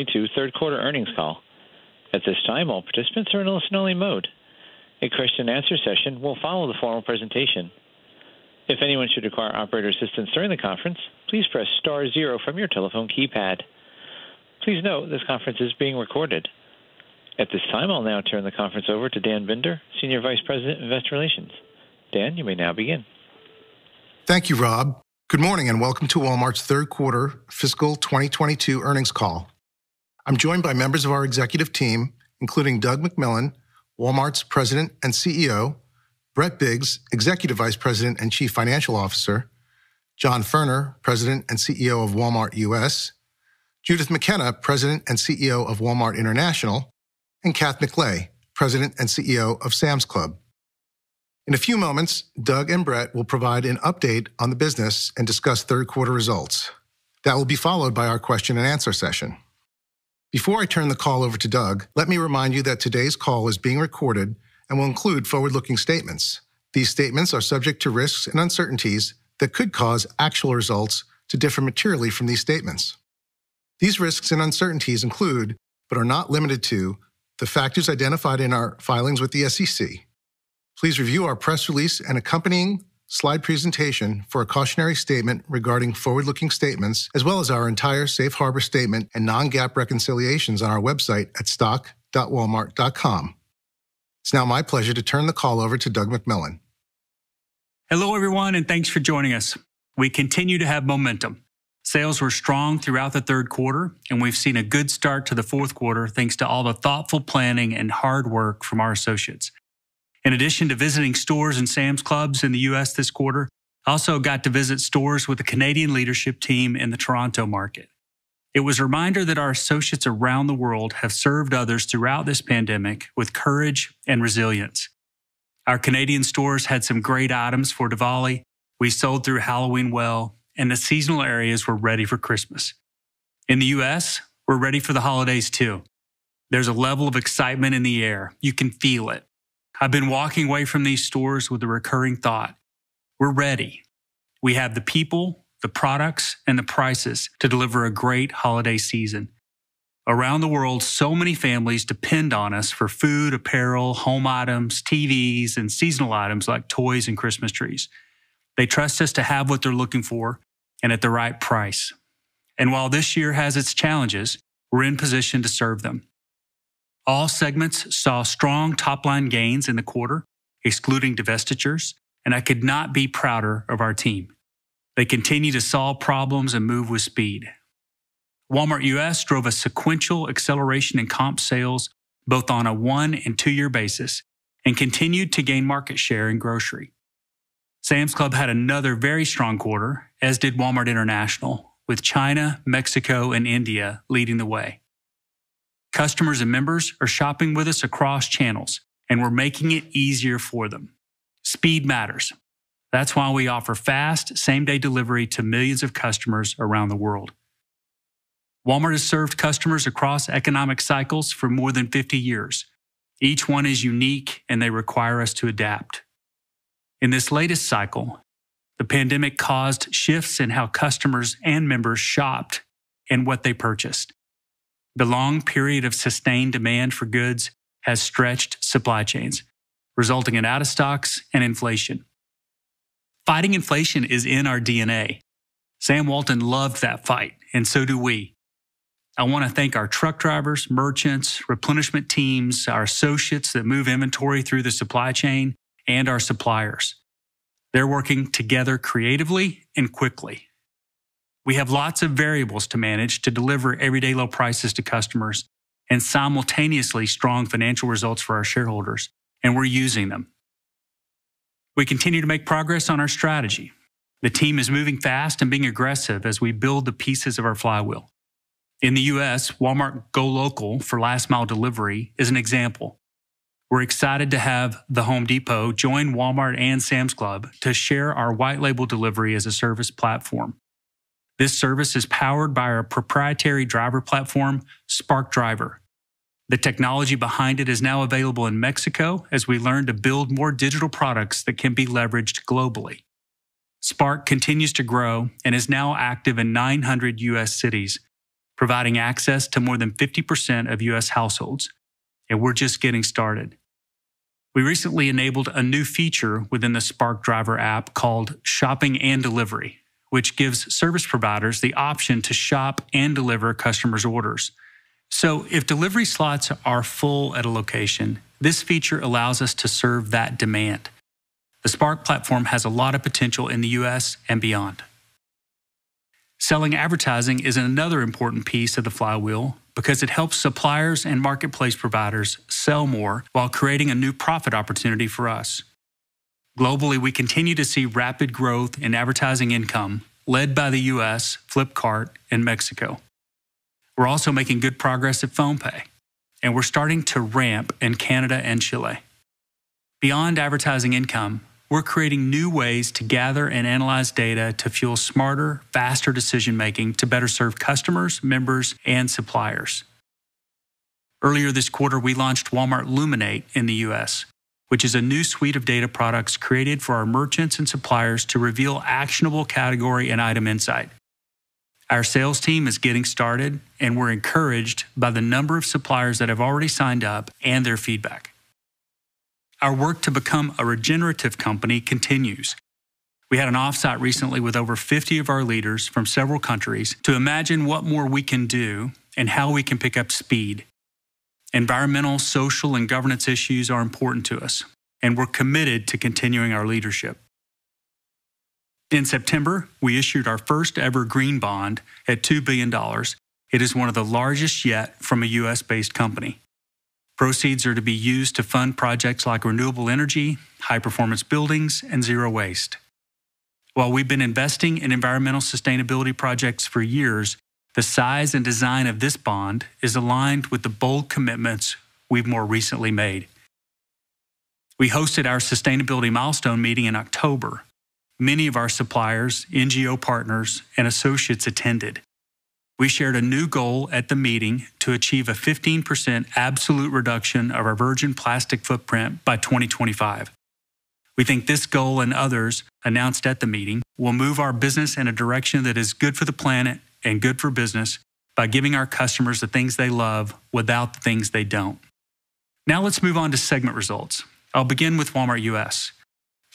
Today's third quarter earnings call. At this time, all participants are in listen-only mode. A question-and-answer session will follow the formal presentation. If anyone should require operator assistance during the conference, please press star zero from your telephone keypad. Please note this conference is being recorded. At this time, I'll now turn the conference over to Dan Binder, Senior Vice President of Investor Relations. Dan, you may now begin. Thank you, Rob. Good morning, and welcome to Walmart's third quarter fiscal 2022 earnings call. I'm joined by members of our executive team, including Doug McMillon, Walmart's President and CEO, Brett Biggs, Executive Vice President and Chief Financial Officer, John Furner, President and CEO of Walmart U.S., Judith McKenna, President and CEO of Walmart International, and Kath McLay, President and CEO of Sam's Club. In a few moments, Doug and Brett will provide an update on the business and discuss third-quarter results. That will be followed by our question-and-answer session. Before I turn the call over to Doug, let me remind you that today's call is being recorded and will include forward-looking statements. These statements are subject to risks and uncertainties that could cause actual results to differ materially from these statements. These risks and uncertainties include, but are not limited to, the factors identified in our filings with the SEC. Please review our press release and accompanying slide presentation for a cautionary statement regarding forward-looking statements, as well as our entire safe harbor statement and non-GAAP reconciliations on our website at stock.walmart.com. It's now my pleasure to turn the call over to Doug McMillon. Hello, everyone, and thanks for joining us. We continue to have momentum. Sales were strong throughout the third quarter and we've seen a good start to the fourth quarter, thanks to all the thoughtful planning and hard work from our associates. In addition to visiting stores and Sam's Clubs in the U.S. this quarter, I also got to visit stores with the Canadian leadership team in the Toronto market. It was a reminder that our associates around the world have served others throughout this pandemic with courage and resilience. Our Canadian stores had some great items for Diwali. We sold through Halloween well, and the seasonal areas were ready for Christmas. In the U.S., we're ready for the holidays too. There's a level of excitement in the air. You can feel it. I've been walking away from these stores with a recurring thought. We're ready. We have the people, the products, and the prices to deliver a great holiday season. Around the world, so many families depend on us for food, apparel, home items, TVs, and seasonal items like toys and Christmas trees. They trust us to have what they're looking for and at the right price. While this year has its challenges, we're in position to serve them. All segments saw strong top-line gains in the quarter, excluding divestitures, and I could not be prouder of our team. They continue to solve problems and move with speed. Walmart U.S. drove a sequential acceleration in comp sales both on a one and two-year basis and continued to gain market share in grocery. Sam's Club had another very strong quarter, as did Walmart International, with China, Mexico, and India leading the way. Customers and members are shopping with us across channels, and we're making it easier for them. Speed matters. That's why we offer fast, same-day delivery to millions of customers around the world. Walmart has served customers across economic cycles for more than fifty years. Each one is unique and they require us to adapt. In this latest cycle, the pandemic caused shifts in how customers and members shopped and what they purchased. The long period of sustained demand for goods has stretched supply chains, resulting in out-of-stocks and inflation. Fighting inflation is in our DNA. Sam Walton loved that fight, and so do we. I want to thank our truck drivers, merchants, replenishment teams, our associates that move inventory through the supply chain, and our suppliers. They're working together creatively and quickly. We have lots of variables to manage to deliver everyday low prices to customers and simultaneously strong financial results for our shareholders, and we're using them. We continue to make progress on our strategy. The team is moving fast and being aggressive as we build the pieces of our flywheel. In the U.S., Walmart GoLocal for last mile delivery is an example. We're excited to have The Home Depot join Walmart and Sam's Club to share our white label delivery as a service platform. This service is powered by our proprietary driver platform, Spark Driver. The technology behind it is now available in Mexico as we learn to build more digital products that can be leveraged globally. Spark continues to grow and is now active in 900 U.S. cities, providing access to more than 50% of U.S. households, and we're just getting started. We recently enabled a new feature within the Spark Driver app called Shopping & Delivery, which gives service providers the option to shop and deliver customers' orders. If delivery slots are full at a location, this feature allows us to serve that demand. The Spark platform has a lot of potential in the U.S. and beyond. Selling advertising is another important piece of the flywheel because it helps suppliers and marketplace providers sell more while creating a new profit opportunity for us. Globally, we continue to see rapid growth in advertising income led by the U.S., Flipkart, and Mexico. We're also making good progress at PhonePe, and we're starting to ramp in Canada and Chile. Beyond advertising income, we're creating new ways to gather and analyze data to fuel smarter, faster decision-making to better serve customers, members, and suppliers. Earlier this quarter, we launched Walmart Luminate in the U.S., which is a new suite of data products created for our merchants and suppliers to reveal actionable category and item insight. Our sales team is getting started, and we're encouraged by the number of suppliers that have already signed up and their feedback. Our work to become a regenerative company continues. We had an offsite recently with over 50 of our leaders from several countries to imagine what more we can do and how we can pick up speed. Environmental, social, and governance issues are important to us, and we're committed to continuing our leadership. In September, we issued our first-ever green bond at $2 billion. It is one of the largest yet from a U.S.-based company. Proceeds are to be used to fund projects like renewable energy, high-performance buildings, and zero waste. While we've been investing in environmental sustainability projects for years, the size and design of this bond is aligned with the bold commitments we've more recently made. We hosted our sustainability milestone meeting in October. Many of our suppliers, NGO partners, and associates attended. We shared a new goal at the meeting to achieve a 15% absolute reduction of our virgin plastic footprint by 2025. We think this goal and others announced at the meeting will move our business in a direction that is good for the planet and good for business by giving our customers the things they love without the things they don't. Now let's move on to segment results. I'll begin with Walmart U.S.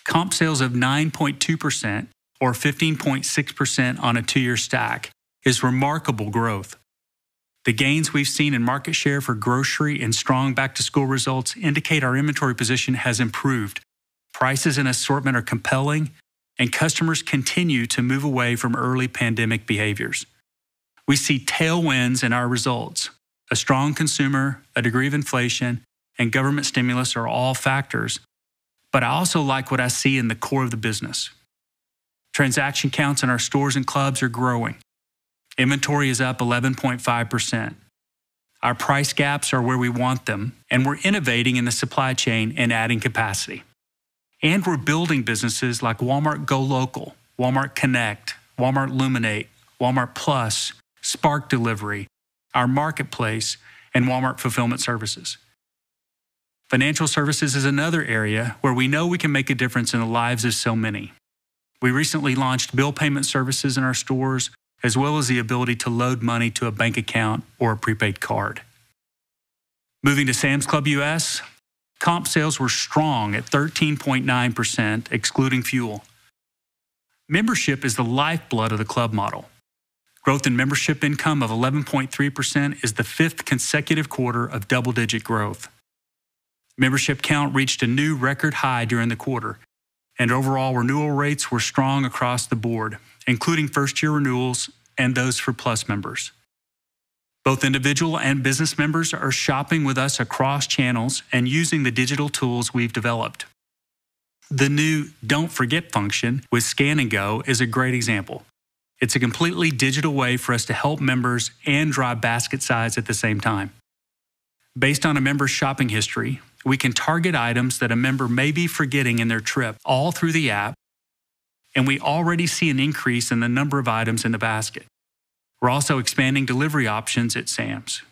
Comp sales of 9.2% or 15.6% on a two-year stack is remarkable growth. The gains we've seen in market share for grocery and strong back-to-school results indicate our inventory position has improved. Prices and assortment are compelling, and customers continue to move away from early pandemic behaviors. We see tailwinds in our results. A strong consumer, a degree of inflation, and government stimulus are all factors. But I also like what I see in the core of the business. Transaction counts in our stores and clubs are growing. Inventory is up 11.5%. Our price gaps are where we want them, and we're innovating in the supply chain and adding capacity. We're building businesses like Walmart GoLocal, Walmart Connect, Walmart Luminate, Walmart+, Spark Delivery, our marketplace, and Walmart Fulfillment Services. Financial services is another area where we know we can make a difference in the lives of so many. We recently launched bill payment services in our stores, as well as the ability to load money to a bank account or a prepaid card. Moving to Sam's Club U.S., comp sales were strong at 13.9% excluding fuel. Membership is the lifeblood of the club model. Growth in membership income of 11.3% is the fifth consecutive quarter of double-digit growth. Membership count reached a new record high during the quarter, and overall renewal rates were strong across the board, including first-year renewals and those for Plus members. Both individual and business members are shopping with us across channels and using the digital tools we've developed. The new Don't Forget function with Scan & Go is a great example. It's a completely digital way for us to help members and drive basket size at the same time. Based on a member's shopping history, we can target items that a member may be forgetting in their trip all through the app, and we already see an increase in the number of items in the basket. We're also expanding delivery options at Sam's.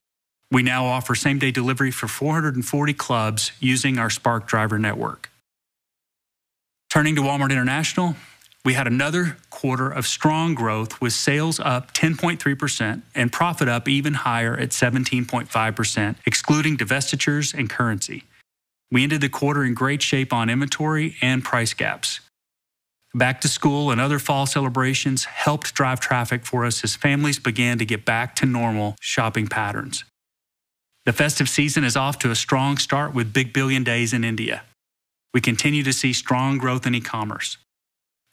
We now offer same-day delivery for 440 clubs using our Spark Driver network. Turning to Walmart International, we had another quarter of strong growth with sales up 10.3% and profit up even higher at 17.5%, excluding divestitures and currency. We ended the quarter in great shape on inventory and price gaps. Back to school and other fall celebrations helped drive traffic for us as families began to get back to normal shopping patterns. The festive season is off to a strong start with Big Billion Days in India. We continue to see strong growth in e-commerce.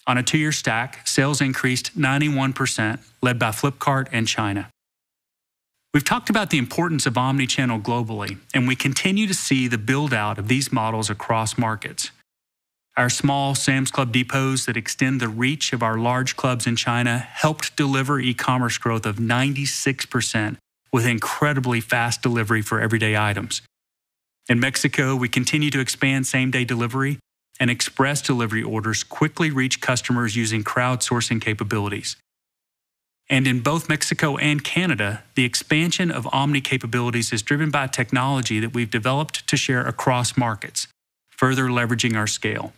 On a two-year stack, sales increased 91%, led by Flipkart and China. We've talked about the importance of omnichannel globally, and we continue to see the build-out of these models across markets. Our small Sam's Club depots that extend the reach of our large clubs in China helped deliver e-commerce growth of 96% with incredibly fast delivery for everyday items. In Mexico, we continue to expand same-day delivery, and express delivery orders quickly reach customers using crowdsourcing capabilities. In both Mexico and Canada, the expansion of omni capabilities is driven by technology that we've developed to share across markets, further leveraging our scale.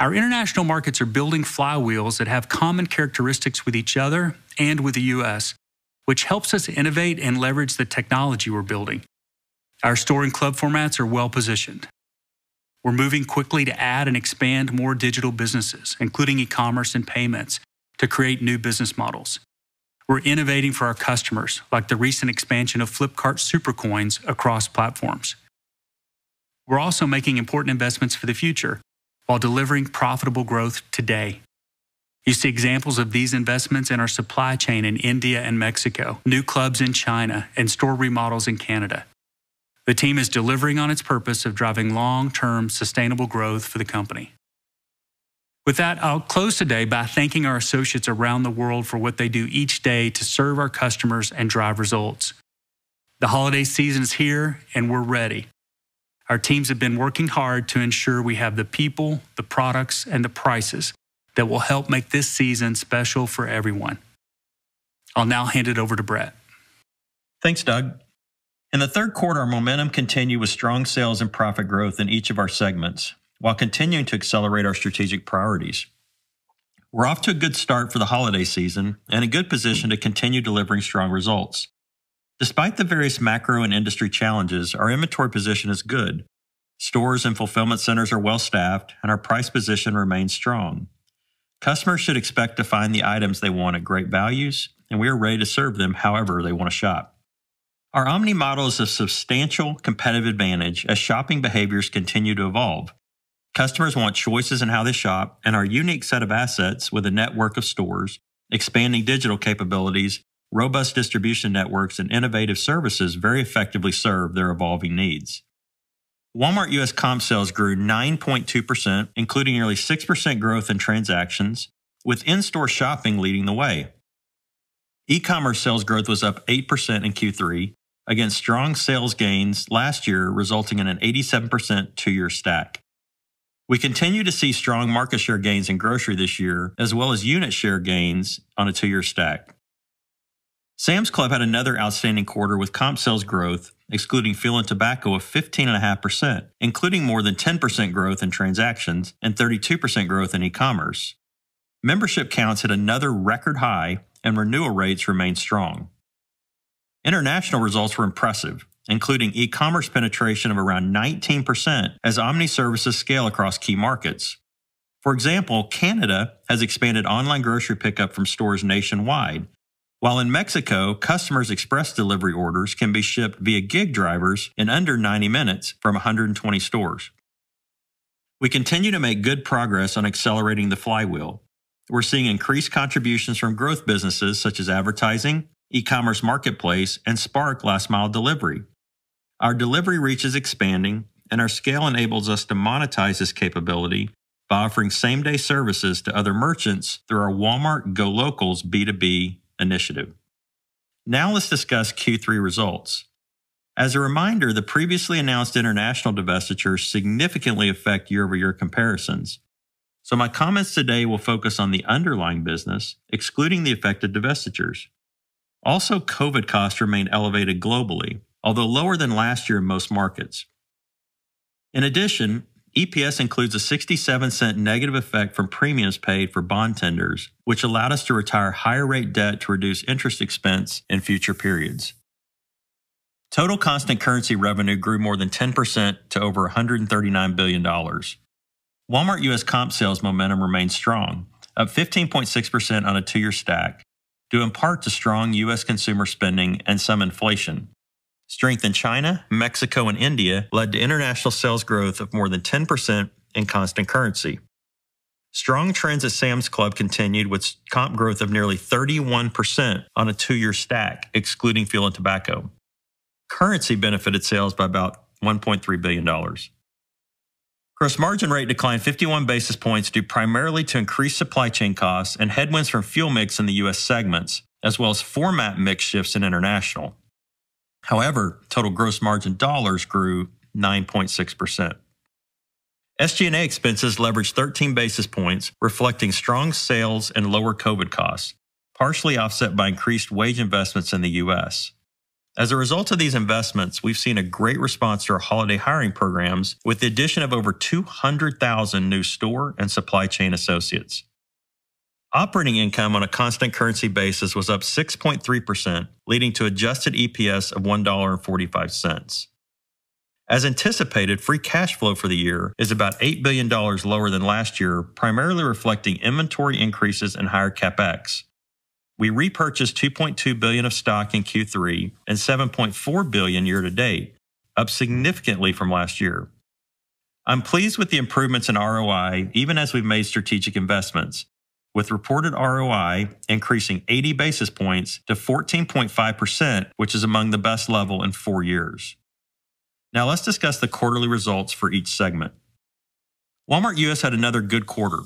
Our international markets are building flywheels that have common characteristics with each other and with the U.S., which helps us innovate and leverage the technology we're building. Our store and club formats are well-positioned. We're moving quickly to add and expand more digital businesses, including e-commerce and payments, to create new business models. We're innovating for our customers, like the recent expansion of Flipkart SuperCoins across platforms. We're also making important investments for the future while delivering profitable growth today. You see examples of these investments in our supply chain in India and Mexico, new clubs in China, and store remodels in Canada. The team is delivering on its purpose of driving long-term sustainable growth for the company. With that, I'll close today by thanking our associates around the world for what they do each day to serve our customers and drive results. The holiday season is here, and we're ready. Our teams have been working hard to ensure we have the people, the products, and the prices that will help make this season special for everyone. I'll now hand it over to Brett. Thanks, Doug. In the third quarter, our momentum continued with strong sales and profit growth in each of our segments while continuing to accelerate our strategic priorities. We're off to a good start for the holiday season and in a good position to continue delivering strong results. Despite the various macro and industry challenges, our inventory position is good. Stores and fulfillment centers are well-staffed, and our price position remains strong. Customers should expect to find the items they want at great values, and we are ready to serve them however they want to shop. Our omni model is a substantial competitive advantage as shopping behaviors continue to evolve. Customers want choices in how they shop and our unique set of assets with a network of stores, expanding digital capabilities, robust distribution networks, and innovative services very effectively serve their evolving needs. Walmart U.S. comp sales grew 9.2%, including nearly 6% growth in transactions, with in-store shopping leading the way. E-commerce sales growth was up 8% in Q3 against strong sales gains last year, resulting in an 87% two-year stack. We continue to see strong market share gains in grocery this year, as well as unit share gains on a two-year stack. Sam's Club had another outstanding quarter with comp sales growth, excluding fuel and tobacco, of 15.5%, including more than 10% growth in transactions and 32% growth in e-commerce. Membership counts hit another record high and renewal rates remained strong. International results were impressive, including e-commerce penetration of around 19% as omni services scale across key markets. For example, Canada has expanded online grocery pickup from stores nationwide, while in Mexico, customers' express delivery orders can be shipped via gig drivers in under 90 minutes from 120 stores. We continue to make good progress on accelerating the flywheel. We're seeing increased contributions from growth businesses such as advertising, e-commerce marketplace, and Spark last mile delivery. Our delivery reach is expanding, and our scale enables us to monetize this capability by offering same-day services to other merchants through our Walmart GoLocal's B2B initiative. Now let's discuss Q3 results. As a reminder, the previously announced international divestitures significantly affect year-over-year comparisons. My comments today will focus on the underlying business, excluding the effect of divestitures. Also, COVID costs remain elevated globally, although lower than last year in most markets. In addition, EPS includes a $0.67 negative effect from premiums paid for bond tenders, which allowed us to retire higher rate debt to reduce interest expense in future periods. Total constant currency revenue grew more than 10% to over $139 billion. Walmart U.S. comp sales momentum remained strong, up 15.6% on a two-year stack, due in part to strong U.S. consumer spending and some inflation. Strength in China, Mexico, and India led to international sales growth of more than 10% in constant currency. Strong trends at Sam's Club continued with comp growth of nearly 31% on a two-year stack, excluding fuel and tobacco. Currency benefited sales by about $1.3 billion. Gross Margin rate declined 51 basis points, due primarily to increased supply chain costs and headwinds from fuel mix in the U.S. segments, as well as format mix shifts in International. However, total Gross Margin dollars grew 9.6%. SG&A expenses leveraged 13 basis points, reflecting strong sales and lower COVID costs, partially offset by increased wage investments in the U.S. As a result of these investments, we've seen a great response to our holiday hiring programs, with the addition of over 200,000 new store and supply chain associates. Operating income on a constant currency basis was up 6.3%, leading to adjusted EPS of $1.45. As anticipated, free cash flow for the year is about $8 billion lower than last year, primarily reflecting inventory increases and higher CapEx. We repurchased $2.2 billion of stock in Q3 and $7.4 billion year-to-date, up significantly from last year. I'm pleased with the improvements in ROI, even as we've made strategic investments, with reported ROI increasing 80 basis points to 14.5%, which is among the best level in four years. Now let's discuss the quarterly results for each segment. Walmart U.S. had another good quarter,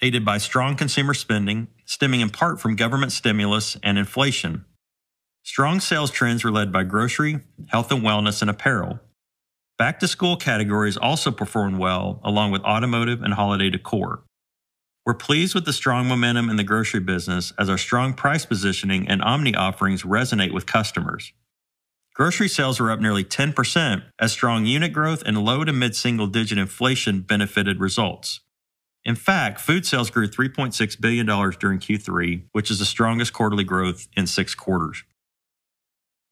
aided by strong consumer spending, stemming in part from government stimulus and inflation. Strong sales trends were led by grocery, health and wellness, and apparel. Back-to-school categories also performed well, along with automotive and holiday decor. We're pleased with the strong momentum in the grocery business as our strong price positioning and omni offerings resonate with customers. Grocery sales were up nearly 10% as strong unit growth and low- to mid-single-digit inflation benefited results. In fact, food sales grew $3.6 billion during Q3, which is the strongest quarterly growth in six quarters.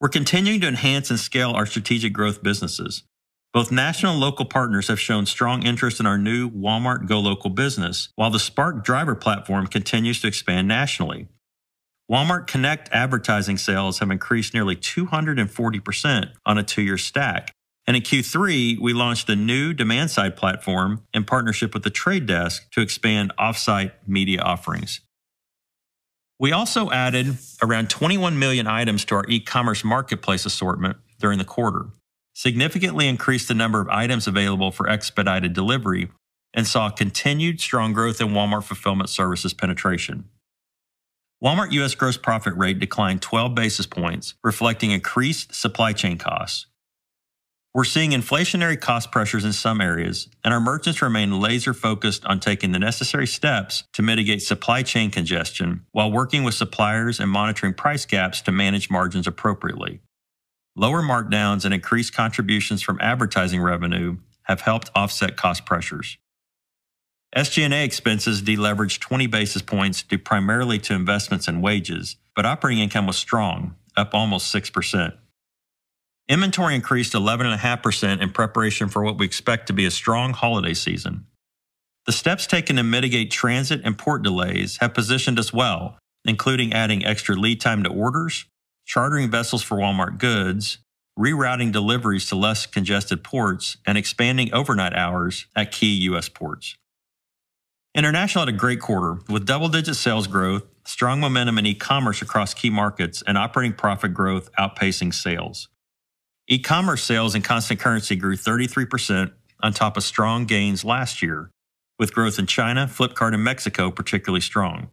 We're continuing to enhance and scale our strategic growth businesses. Both national and local partners have shown strong interest in our new Walmart GoLocal business, while the Spark Driver platform continues to expand nationally. Walmart Connect advertising sales have increased nearly 240% on a two-year stack. In Q3, we launched a new demand-side platform in partnership with The Trade Desk to expand off-site media offerings. We also added around 21 million items to our e-commerce marketplace assortment during the quarter, significantly increased the number of items available for expedited delivery, and saw continued strong growth in Walmart Fulfillment Services penetration. Walmart U.S. gross profit rate declined 12 basis points, reflecting increased supply chain costs. We're seeing inflationary cost pressures in some areas, and our merchants remain laser-focused on taking the necessary steps to mitigate supply chain congestion while working with suppliers and monitoring price gaps to manage margins appropriately. Lower markdowns and increased contributions from advertising revenue have helped offset cost pressures. SG&A expenses deleveraged 20 basis points due primarily to investments in wages, but operating income was strong, up almost 6%. Inventory increased 11.5% in preparation for what we expect to be a strong holiday season. The steps taken to mitigate transit and port delays have positioned us well, including adding extra lead time to orders, chartering vessels for Walmart goods, rerouting deliveries to less congested ports, and expanding overnight hours at key U.S. ports. International had a great quarter with double-digit sales growth, strong momentum in eCommerce across key markets, and operating profit growth outpacing sales. eCommerce sales and constant currency grew 33% on top of strong gains last year, with growth in China, Flipkart, and Mexico particularly strong.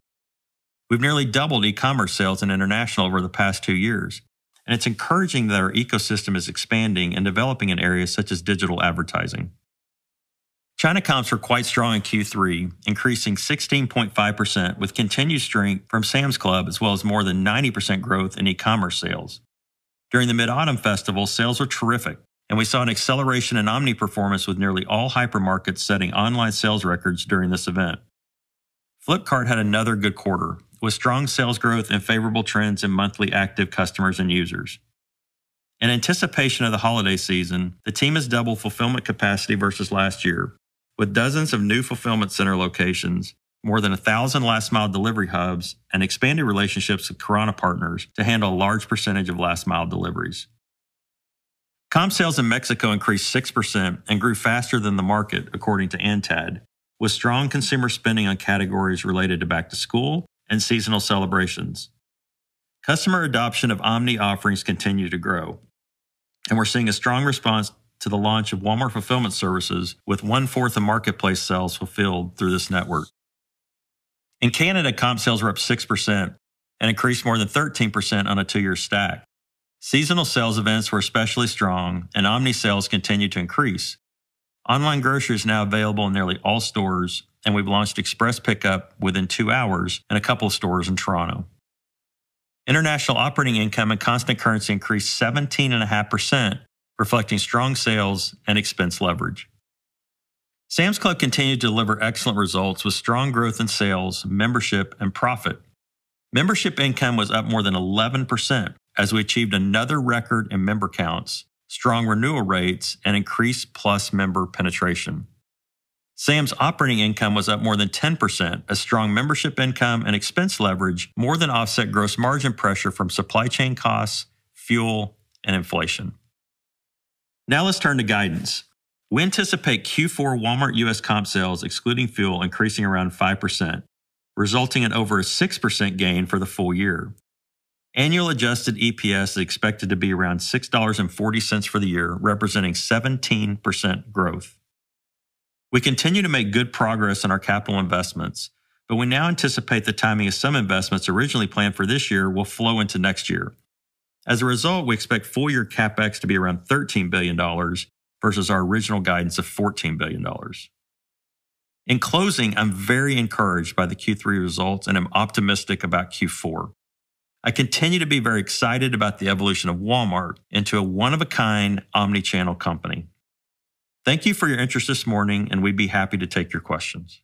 We've nearly doubled eCommerce sales in international over the past two years, and it's encouraging that our ecosystem is expanding and developing in areas such as digital advertising. China comps were quite strong in Q3, increasing 16.5% with continued strength from Sam's Club, as well as more than 90% growth in eCommerce sales. During the Mid-Autumn Festival, sales were terrific, and we saw an acceleration in omni performance with nearly all hypermarkets setting online sales records during this event. Flipkart had another good quarter, with strong sales growth and favorable trends in monthly active customers and users. In anticipation of the holiday season, the team has doubled fulfillment capacity versus last year, with dozens of new fulfillment center locations, more than 1,000 last mile delivery hubs, and expanded relationships with Kirana partners to handle a large percentage of last mile deliveries. Comp sales in Mexico increased 6% and grew faster than the market, according to ANTAD, with strong consumer spending on categories related to back-to-school and seasonal celebrations. Customer adoption of omni offerings continues to grow, and we're seeing a strong response to the launch of Walmart Fulfillment Services with one-fourth of marketplace sales fulfilled through this network. In Canada, comp sales were up 6% and increased more than 13% on a two-year stack. Seasonal sales events were especially strong and omni sales continued to increase. Online grocery is now available in nearly all stores, and we've launched express pickup within two hours in a couple of stores in Toronto. International operating income and constant currency increased 17.5%, reflecting strong sales and expense leverage. Sam's Club continued to deliver excellent results with strong growth in sales, membership, and profit. Membership income was up more than 11% as we achieved another record in member counts, strong renewal rates, and increased Plus member penetration. Sam's operating income was up more than 10% as strong membership income and expense leverage more than offset gross margin pressure from supply chain costs, fuel, and inflation. Now let's turn to guidance. We anticipate Q4 Walmart U.S. comp sales excluding fuel increasing around 5%, resulting in over a 6% gain for the full year. Annual adjusted EPS is expected to be around $6.40 for the year, representing 17% growth. We continue to make good progress in our capital investments, but we now anticipate the timing of some investments originally planned for this year will flow into next year. As a result, we expect full-year CapEx to be around $13 billion versus our original guidance of $14 billion. In closing, I'm very encouraged by the Q3 results and I'm optimistic about Q4. I continue to be very excited about the evolution of Walmart into a one-of-a-kind omnichannel company. Thank you for your interest this morning, and we'd be happy to take your questions.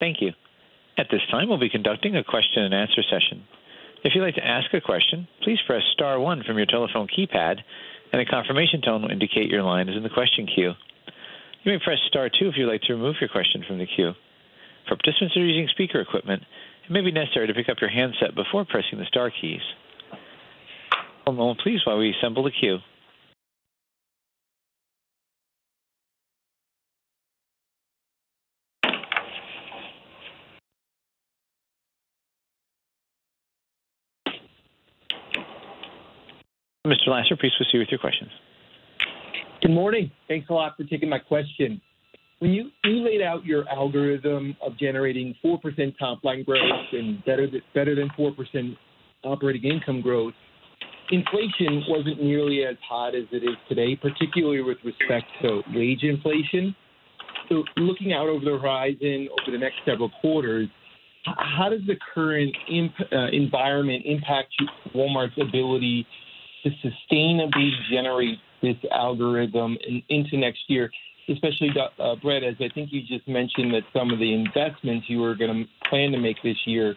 Thank you. At this time, we'll be conducting a question and answer session. If you'd like to ask a question, please press star one from your telephone keypad and a confirmation tone will indicate your line is in the question queue. You may press star two if you'd like to remove your question from the queue. For participants who are using speaker equipment, it may be necessary to pick up your handset before pressing the star keys. One moment, please, while we assemble the queue. Michael Lasser, please proceed with your questions. Good morning. Thanks a lot for taking my question. When you laid out your algorithm of generating 4% top-line growth and better than 4% operating income growth, inflation wasn't nearly as hot as it is today, particularly with respect to wage inflation. Looking out over the horizon over the next several quarters, how does the current environment impact Walmart's ability to sustainably generate this algorithm into next year? Especially, Brett, as I think you just mentioned that some of the investments you were gonna plan to make this year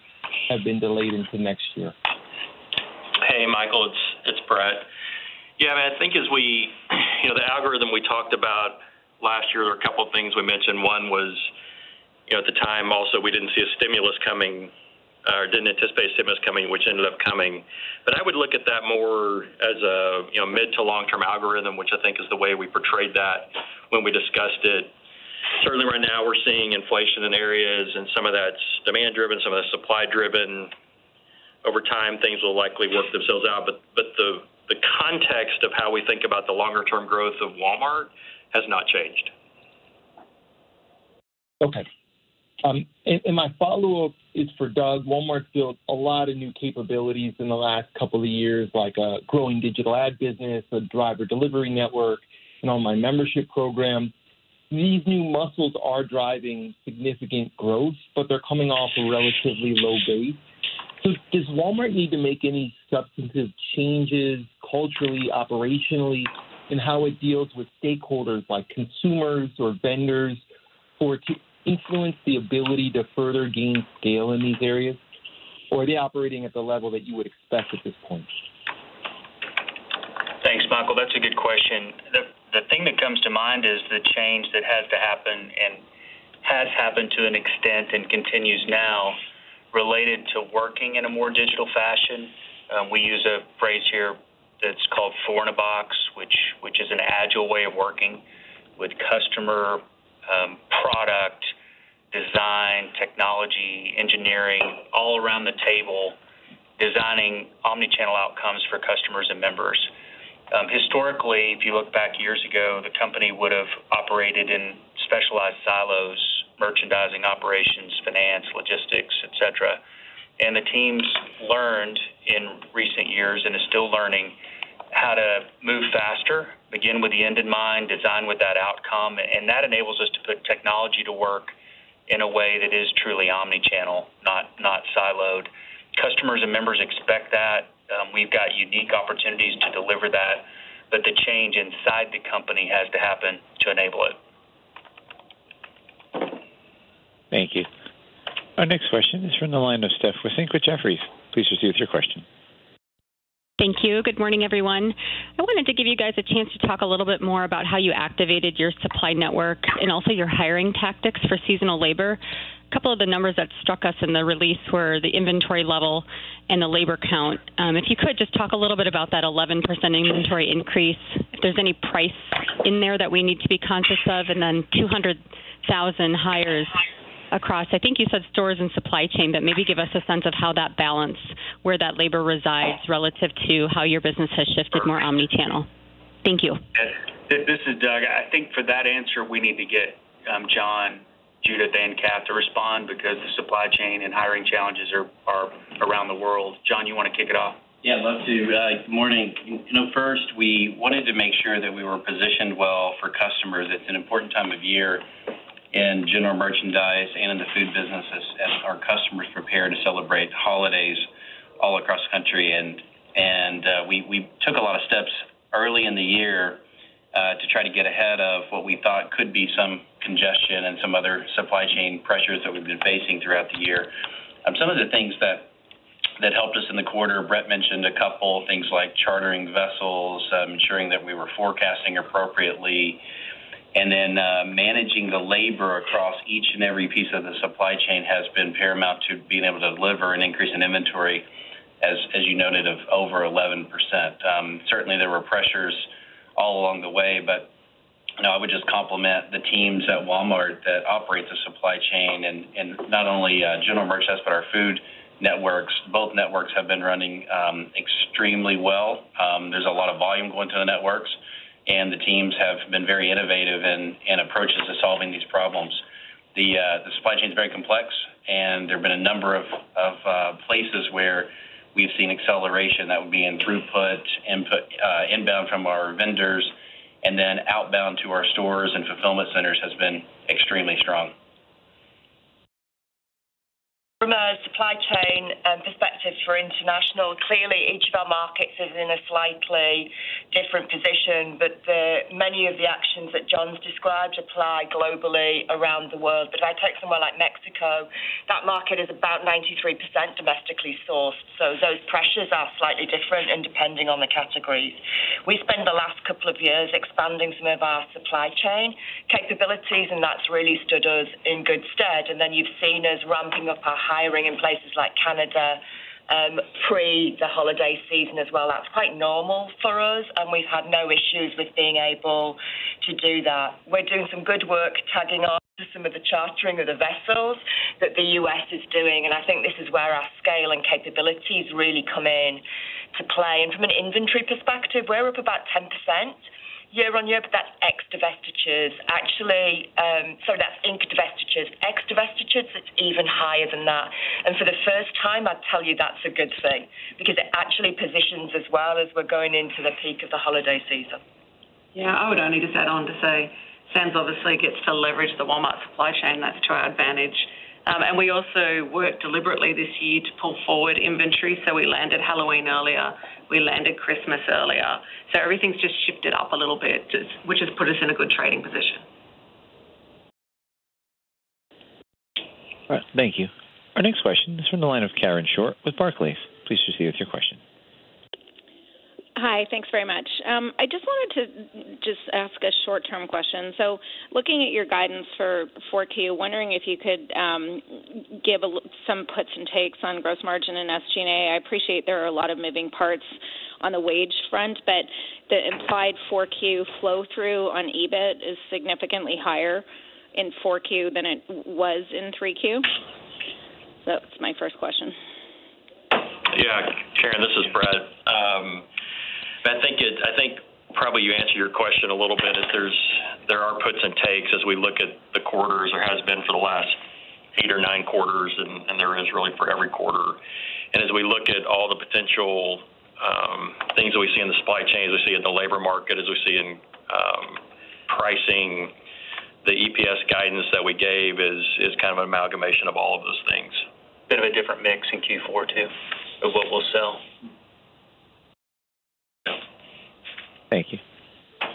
have been delayed into next year. Hey, Michael, it's Brett. Yeah, man, I think as we, you know, the algorithm we talked about last year, there were a couple of things we mentioned. One was, you know, at the time also we didn't see a stimulus coming or didn't anticipate a stimulus coming, which ended up coming. I would look at that more as a, you know, mid to long-term algorithm, which I think is the way we portrayed that when we discussed it. Certainly right now we're seeing inflation in areas and some of that's demand-driven, some of that's supply-driven. Over time, things will likely work themselves but the context of how we think about the long-term growth of Walmart has not changed. Okay, my follow-up is for Doug. Walmart built a lot of new capabilities in the last couple of years, like a growing digital ad business, a driver delivery network, an online membership program. These new muscles are driving significant growth, but they're coming off a relatively low base. Does Walmart need to make any substantive changes culturally, operationally in how it deals with stakeholders like consumers or vendors or to influence the ability to further gain scale in these areas, or are they operating at the level that you would expect at this point? Thanks, Michael. That's a good question. The thing that comes to mind is the change that had to happen and has happened to an extent and continues now related to working in a more digital fashion. We use a phrase here that's called four in a box, which is an agile way of working with customer, product, design, technology, engineering, all around the table, designing omni-channel outcomes for customers and members. Historically, if you look back years ago, the company would have operated in specialized silos, merchandising operations, finance, logistics, et cetera. The teams learned in recent years, and are still learning how to move faster, begin with the end in mind, design with that outcome. That enables us to put technology to work in a way that is truly omni-channel, not siloed. Customers and members expect that. We've got unique opportunities to deliver that, but the change inside the company has to happen to enable it. Thank you. Our next question is from the line of Stephanie Wissink with Jefferies. Please proceed with your question. Thank you. Good morning, everyone. I wanted to give you guys a chance to talk a little bit more about how you activated your supply network and also your hiring tactics for seasonal labor. A couple of the numbers that struck us in the release were the inventory level and the labor count. If you could just talk a little bit about that 11% inventory increase, if there's any price in there that we need to be conscious of, and then 200,000 hires across, I think you said stores and supply chain, but maybe give us a sense of how that balance, where that labor resides relative to how your business has shifted more omni-channel. Thank you. This is Doug. I think for that answer, we need to get John, Judith, and Kath to respond because the supply chain and hiring challenges are around the world. John, you want to kick it off? Yeah, I'd love to. Good morning. You know, first, we wanted to make sure that we were positioned well for customers. It's an important time of year in general merchandise and in the food business as our customers prepare to celebrate holidays all across the country. We took a lot of steps early in the year to try to get ahead of what we thought could be some congestion and some other supply chain pressures that we've been facing throughout the year. Some of the things that helped us in the quarter, Brett mentioned a couple of things like chartering vessels, ensuring that we were forecasting appropriately. Managing the labor across each and every piece of the supply chain has been paramount to being able to deliver an increase in inventory, as you noted, of over 11%. Certainly there were pressures all along the way, but you know, I would just compliment the teams at Walmart that operate the supply chain and not only general merchandise, but our food networks. Both networks have been running extremely well. There's a lot of volume going to the networks, and the teams have been very innovative in approaches to solving these problems. The supply chain is very complex, and there have been a number of places where we've seen acceleration that would be in throughput, input, inbound from our vendors, and then outbound to our stores and fulfillment centers has been extremely strong. From a supply chain perspective for international, clearly, each of our markets is in a slightly different position, many of the actions that John's described apply globally around the world. If I take somewhere like Mexico, that market is about 93% domestically sourced. Those pressures are slightly different and depending on the categories. We spent the last couple of years expanding some of our supply chain capabilities, and that's really stood us in good stead. Then you've seen us ramping up our hiring in places like Canada pre the holiday season as well. That's quite normal for us, and we've had no issues with being able to do that. We're doing some good work tagging on to some of the chartering of the vessels that the U.S. is doing, and I think this is where our scale and capabilities really come in to play. From an inventory perspective, we're up about 10% year-on-year, but that's ex-divestitures. Actually, Sorry, that's inc-divestitures. Ex-divestitures, it's even higher than that. For the first time, I'd tell you that's a good thing because it actually positions us well as we're going into the peak of the holiday season. Yeah. I would only just add on to say, Sam's obviously gets to leverage the Walmart supply chain. That's to our advantage. We also worked deliberately this year to pull forward inventory. We landed Halloween earlier, we landed Christmas earlier. Everything's just shifted up a little bit, which has put us in a good trading position. All right. Thank you. Our next question is from the line of Karen Short with Barclays. Please proceed with your question. Hi. Thanks very much. I just wanted to just ask a short-term question. Looking at your guidance for 4Q, wondering if you could give some puts and takes on Gross Margin and SG&A. I appreciate there are a lot of moving parts on the wage front, but the implied 4Q flow through on EBIT is significantly higher in 4Q than it was in 3Q. That's my first question. Yeah, Karen, this is Brett. I think probably you answered your question a little bit. There are puts and takes as we look at the quarters. There has been for the last eight or nine quarters, and there is really for every quarter. As we look at all the potential things that we see in the supply chain, as we see in the labor market, as we see in pricing, the EPS guidance that we gave is kind of an amalgamation of all of those things. Bit of a different mix in Q4, too, of what we'll sell. Thank you.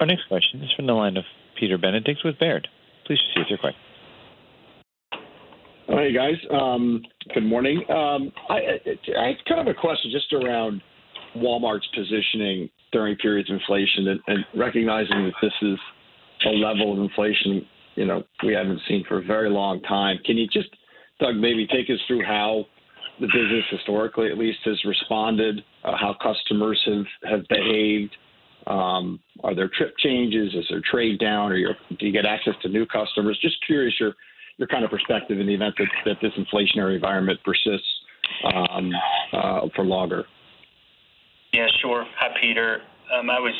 Our next question is from the line of Peter Benedict with Baird. Please proceed with your question. Hey, guys. Good morning. I have kind of a question just around Walmart's positioning during periods of inflation and recognizing that this is a level of inflation, you know, we haven't seen for a very long time. Can you just, Doug, maybe take us through how the business historically at least has responded, how customers have behaved? Are there trip changes? Is there trade down? Do you get access to new customers? Just curious your kind of perspective in the event that this inflationary environment persists for longer. Yeah, sure. Hi, Peter. I was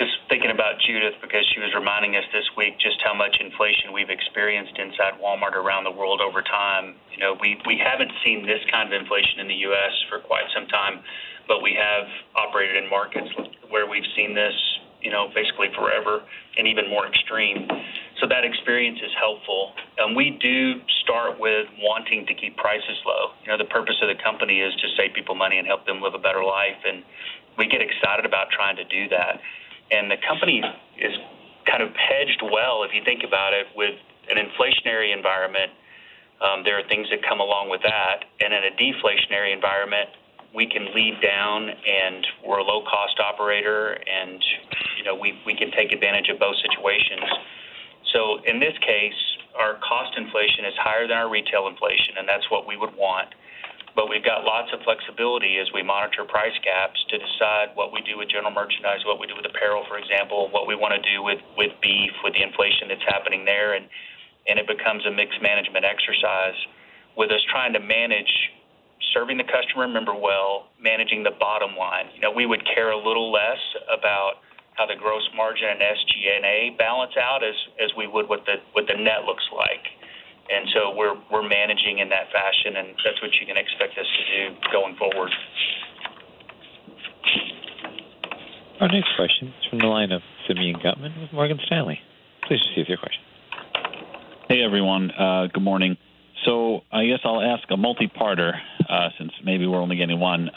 just thinking about Judith because she was reminding us this week just how much inflation we've experienced inside Walmart around the world over time. You know, we haven't seen this kind of inflation in the U.S. for quite some time, but we have operated in markets where we've seen this, you know, basically forever and even more extreme. That experience is helpful. We do start with wanting to keep prices low. You know, the purpose of the company is to save people money and help them live a better life, and we get excited about trying to do that. The company is kind of hedged well, if you think about it, with an inflationary environment, there are things that come along with that. In a deflationary environment, we can lead down and we're a low-cost operator and, you know, we can take advantage of both situations. In this case, our cost inflation is higher than our retail inflation, and that's what we would want. We've got lots of flexibility as we monitor price gaps to decide what we do with general merchandise, what we do with apparel, for example, what we want to do with beef, with the inflation that's happening there. It becomes a mixed management exercise with us trying to manage serving the customer and member well, managing the bottom line. You know, we would care a little less about how the Gross Margin and SG&A balance out as we care about what the net looks like. We're managing in that fashion, and that's what you can expect us to do going forward. Our next question is from the line of Simeon Gutman with Morgan Stanley. Please proceed with your question. Hey, everyone. Good morning. I guess I'll ask a multi-parter, since maybe we're only getting one.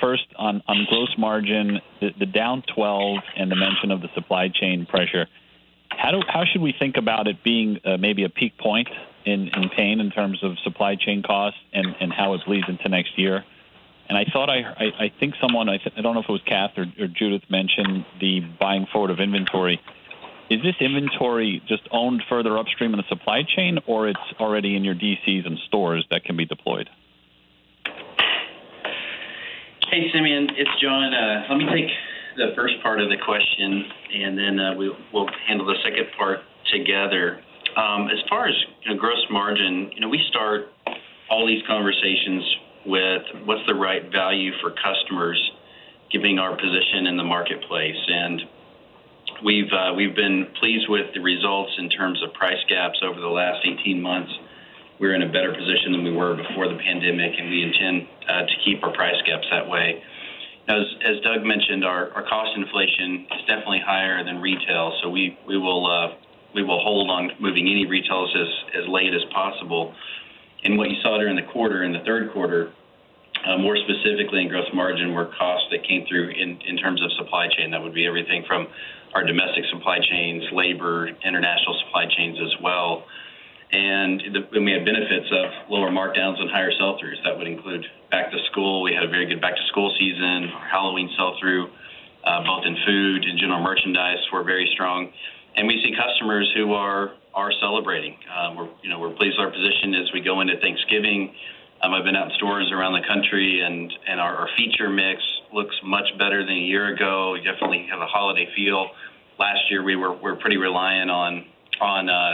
First on gross margin, the down 12 and the mention of the supply chain pressure, how should we think about it being a peak point in pain in terms of supply chain costs and how it bleeds into next year? I thought, I think someone I don't know if it was Kath or Judith mentioned the buying forward of inventory. Is this inventory just owned further upstream in the supply chain or it's already in your DCs and stores that can be deployed? Hey, Simeon, it's John. Let me take the first part of the question and then we will handle the second part together. As far as gross margin, you know, we start all these conversations with what's the right value for customers giving our position in the marketplace. We've been pleased with the results in terms of price gaps over the last 18 months. We're in a better position than we were before the pandemic, and we intend to keep our price gaps that way. As Doug mentioned, our cost inflation is definitely higher than retail, so we will hold on moving any retails as late as possible. What you saw there in the quarter, in the third quarter, more specifically in gross margin were costs that came through in terms of supply chain. That would be everything from our domestic supply chains, labor, international supply chains as well. We may have benefits of lower markdowns and higher sell-throughs. That would include back to school. We had a very good back to school season. Our Halloween sell-through both in food and general merchandise were very strong. We see customers who are celebrating. We're, you know, pleased with our position as we go into Thanksgiving. I've been out in stores around the country, and our feature mix looks much better than a year ago. We definitely have a holiday feel. Last year, we were pretty reliant on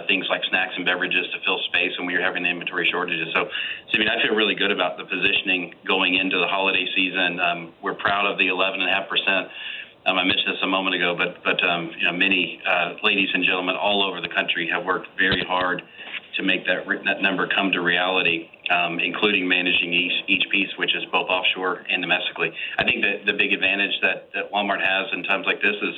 things like snacks and beverages to fill space, and we were having the inventory shortages. Simeon, I feel really good about the positioning going into the holiday season. We're proud of the 11.5%. I mentioned this a moment ago, but you know, many ladies and gentlemen all over the country have worked very hard to make that number come to reality, including managing each piece, which is both offshore and domestically. I think the big advantage that Walmart has in times like this is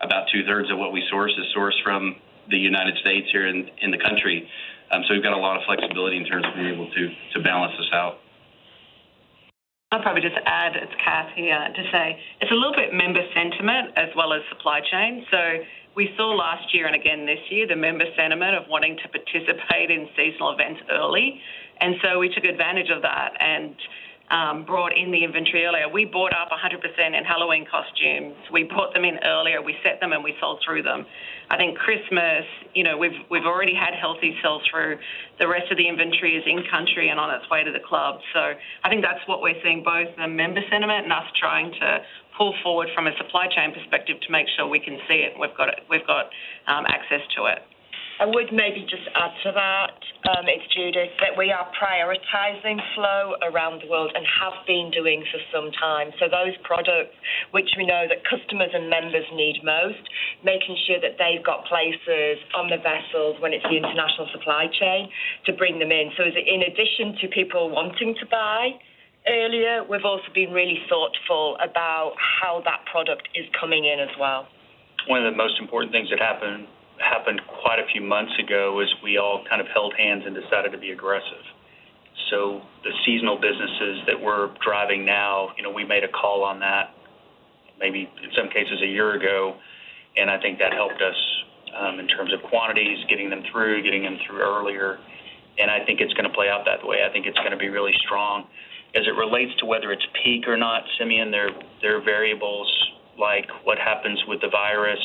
about two-thirds of what we source is sourced from the United States here in the country. We've got a lot of flexibility in terms of being able to balance this out. I'll probably just add, it's Kath here, to say it's a little bit member sentiment as well as supply chain. We saw last year and again this year the member sentiment of wanting to participate in seasonal events early. We took advantage of that and brought in the inventory earlier. We bought up 100% in Halloween costumes. We put them in earlier, we set them, and we sold through them. I think Christmas, you know, we've already had healthy sell-through. The rest of the inventory is in country and on its way to the club. I think that's what we're seeing, both the member sentiment and us trying to pull forward from a supply chain perspective to make sure we can see it and we've got access to it. It's Judith, that we are prioritizing flow around the world and have been doing for some time. Those products which we know that customers and members need most, making sure that they've got places on the vessels within the international supply chain to bring them in. In addition to people wanting to buy earlier, we've also been really thoughtful about how that product is coming in as well. One of the most important things that happened quite a few months ago is we all kind of held hands and decided to be aggressive. The seasonal businesses that we're driving now, you know, we made a call on that maybe in some cases a year ago, and I think that helped us in terms of quantities, getting them through earlier. I think it's gonna play out that way. I think it's gonna be really strong. As it relates to whether it's peak or not, Simeon, there are variables like what happens with the virus,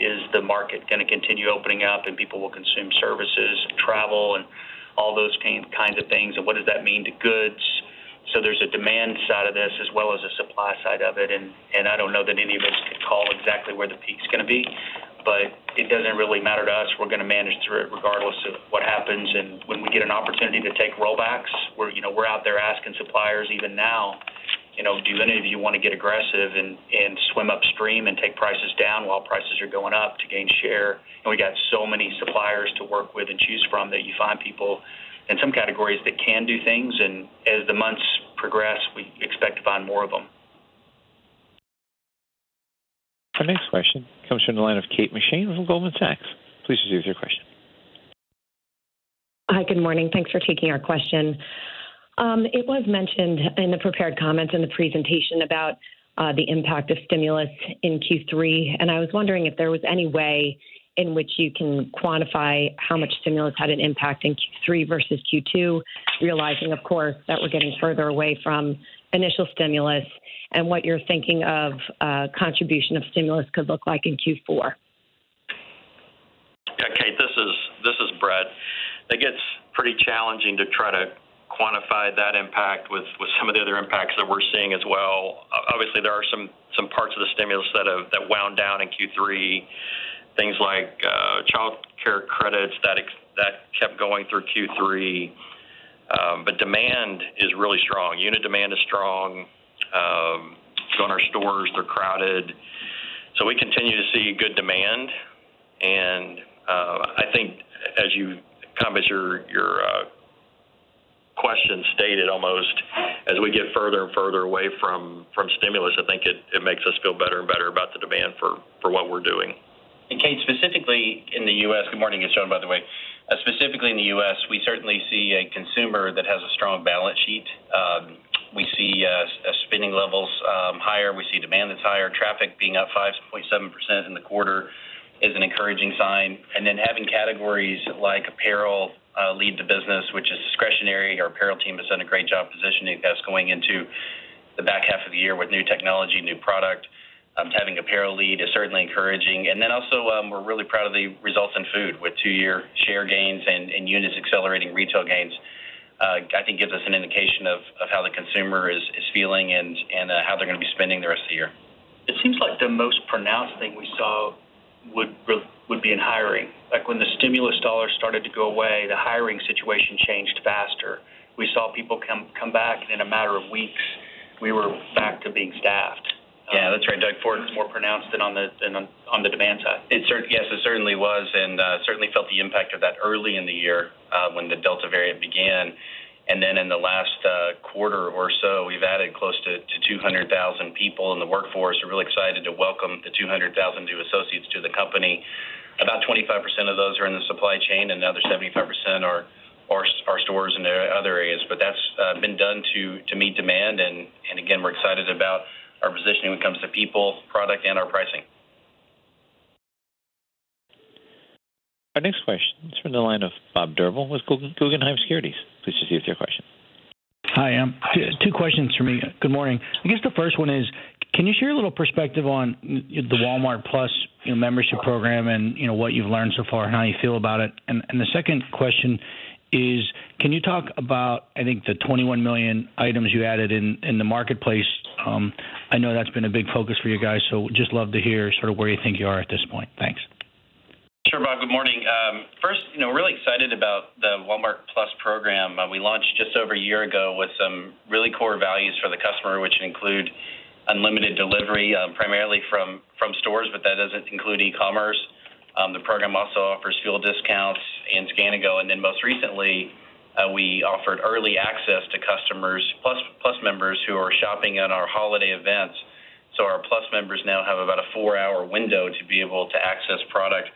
is the market gonna continue opening up and people will consume services and travel and all those kinds of things? What does that mean to goods? There's a demand side of this as well as a supply side of it. I don't know that any of us can call exactly where the peak's gonna be, but it doesn't really matter to us. We're gonna manage through it regardless of what happens. When we get an opportunity to take rollbacks, we're, you know, we're out there asking suppliers even now, you know, "Do any of you wanna get aggressive and swim upstream and take prices down while prices are going up to gain share?" We got so many suppliers to work with and choose from that you find people in some categories that can do things. As the months progress, we expect to find more of them. Our next question comes from the line of Kate McShane with Goldman Sachs. Please proceed with your question. Hi, good morning. Thanks for taking our question. It was mentioned in the prepared comments in the presentation about the impact of stimulus in Q3, and I was wondering if there was any way in which you can quantify how much stimulus had an impact in Q3 versus Q2, realizing of course, that we're getting further away from initial stimulus and what you're thinking of contribution of stimulus could look like in Q4. Yeah, Kate, this is Brett. It gets pretty challenging to try to quantify that impact with some of the other impacts that we're seeing as well. Obviously, there are some parts of the stimulus that wound down in Q3, things like childcare credits that kept going through Q3. But demand is really strong. Unit demand is strong. If you go in our stores, they're crowded. We continue to see good demand and I think, kind of as your question stated, almost as we get further and further away from stimulus, it makes us feel better and better about the demand for what we're doing. Kate, specifically in the U.S.... Good morning, it's John, by the way. Specifically in the U.S., we certainly see a consumer that has a strong balance sheet. We see spending levels higher. We see demand that's higher. Traffic being up 5.7% in the quarter is an encouraging sign. Having categories like apparel lead the business, which is discretionary. Our apparel team has done a great job positioning us going into the back half of the year with new technology, new product. Having apparel lead is certainly encouraging. We're really proud of the results in food with two-year share gains and units accelerating retail gains, I think gives us an indication of how the consumer is feeling and how they're gonna be spending the rest of the year. It seems like the most pronounced thing we saw would be in hiring. Like, when the stimulus dollars started to go away, the hiring situation changed faster. We saw people come back in a matter of weeks. We were back to being staffed. Yeah, that's right, Doug. It's more pronounced than on the demand side. Yes, it certainly was and certainly felt the impact of that early in the year, when the Delta variant began. Then in the last quarter or so, we've added close to 200,000 people in the workforce. We're really excited to welcome the 200,000 new associates to the company. About 25% of those are in the supply chain, another 75% are stores in other areas. That's been done to meet demand. Again, we're excited about our positioning when it comes to people, product, and our pricing. Our next question is from the line of Robert Drbul with Guggenheim Securities. Please proceed with your question. Hi, two questions for me. Good morning. I guess the first one is, can you share a little perspective on the Walmart+, you know, membership program and, you know, what you've learned so far and how you feel about it? The second question is, can you talk about, I think, the 21 million items you added in the marketplace? I know that's been a big focus for you guys, so just love to hear sort of where you think you are at this point. Thanks. Sure, Bob. Good morning. First, you know, we're really excited about the Walmart+ program. We launched just over a year ago with some really core values for the customer, which include unlimited delivery, primarily from stores, but that doesn't include e-commerce. The program also offers fuel discounts and Scan & Go. Then most recently, we offered early access to customers, Plus members who are shopping at our holiday events. Our Plus members now have about a four-hour window to be able to access product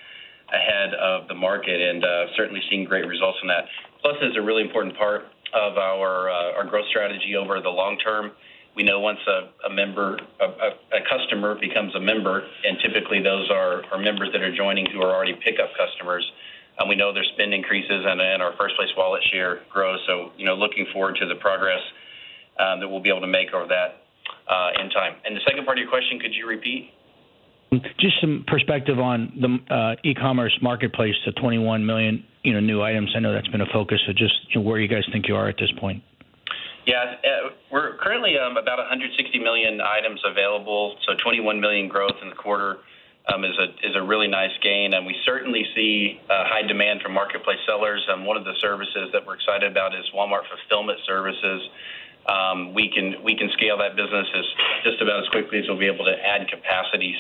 ahead of the market, and certainly seeing great results from that. Plus is a really important part of our growth strategy over the long term. We know once a member, a customer becomes a member, and typically those are members that are joining who are already pickup customers, and we know their spend increases and our first place wallet share grows. You know, looking forward to the progress that we'll be able to make over that in time. The second part of your question, could you repeat? Just some perspective on the e-commerce marketplace, the 21 million, you know, new items. I know that's been a focus. Just where you guys think you are at this point. Yeah, we're currently about 160 million items available, so 21 million growth in the quarter is a really nice gain. We certainly see high demand from marketplace sellers, and one of the services that we're excited about is Walmart Fulfillment Services. We can scale that business just about as quickly as we'll be able to add capacity.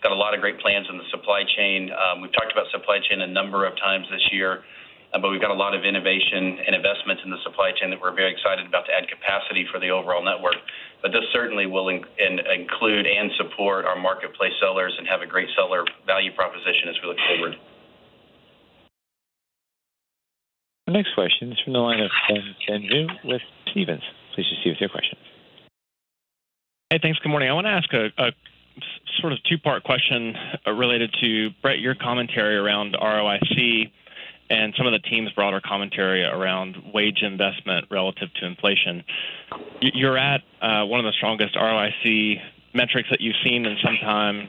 Got a lot of great plans in the supply chain. We've talked about supply chain a number of times this year, but we've got a lot of innovation and investments in the supply chain that we're very excited about to add capacity for the overall network. This certainly will include and support our marketplace sellers and have a great seller value proposition as we look forward. The next question is from the line of Ben Bienvenu with Stephens. Please proceed with your question. Hey, thanks. Good morning. I want to ask a sort of two-part question related to, Brett, your commentary around ROIC and some of the team's broader commentary around wage investment relative to inflation. You're at one of the strongest ROIC metrics that you've seen in some time.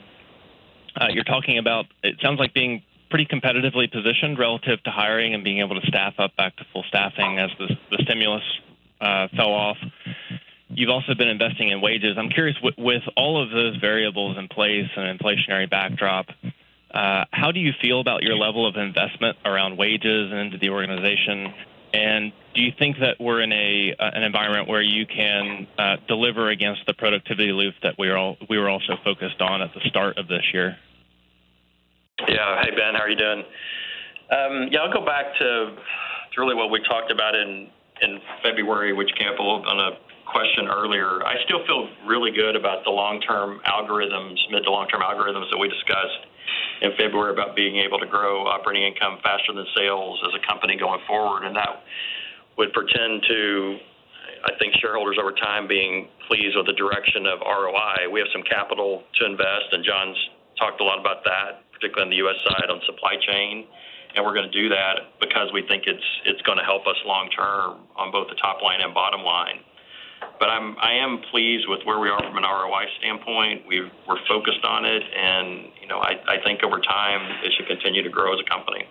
You're talking about, it sounds like being pretty competitively positioned relative to hiring and being able to staff up back to full staffing as the stimulus fell off. You've also been investing in wages. I'm curious, with all of those variables in place and inflationary backdrop, how do you feel about your level of investment around wages and into the organization? And do you think that we're in an environment where you can deliver against the productivity loop that we were also focused on at the start of this year? Hey, Ben, how are you doing? I'll go back to really what we talked about in February, which came up on a question earlier. I still feel really good about the long-term algorithms, mid- to long-term algorithms that we discussed in February about being able to grow operating income faster than sales as a company going forward. That would portend to, I think, shareholders over time being pleased with the direction of ROI. We have some capital to invest, and John's talked a lot about that, particularly on the U.S. side on supply chain. We're going to do that because we think it's going to help us long term on both the top line and bottom line. I am pleased with where we are from an ROI standpoint. We're focused on it and, you know, I think over time it should continue to grow as a company.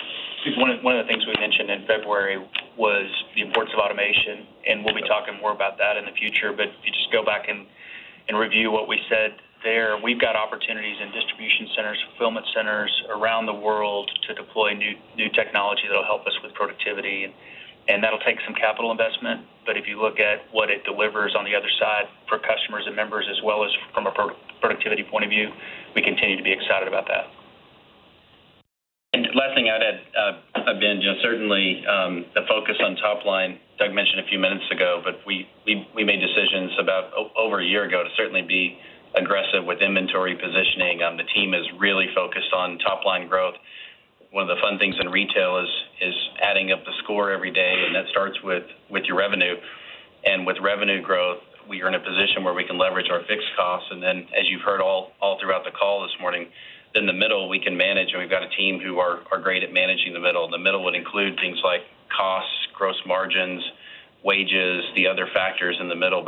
One of the things we mentioned in February was the importance of automation, and we'll be talking more about that in the future. If you just go back and review what we said there, we've got opportunities in distribution centers, fulfillment centers around the world to deploy new technology that'll help us with productivity. That'll take some capital investment. If you look at what it delivers on the other side for customers and members, as well as from a pro-productivity point of view, we continue to be excited about that. Last thing I'd add, Ben, just certainly the focus on top line, Doug mentioned a few minutes ago, but we made decisions about over a year ago to certainly be aggressive with inventory positioning. The team is really focused on top line growth. One of the fun things in retail is adding up the score every day, and that starts with your revenue. With revenue growth, we are in a position where we can leverage our fixed costs. Then as you've heard all throughout the call this morning, in the middle, we can manage, and we've got a team who are great at managing the middle. The middle would include things like costs, gross margins, wages, the other factors in the middle.